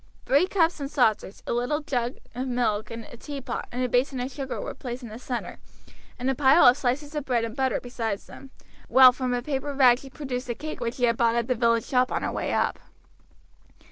Three cups and saucers, a little jag of milk, a teapot, and basin of sugar were placed in the center, and a pile of slices of bread and butter beside them, while from a paper bag she produced a cake which she had bought at the village shop on her way up.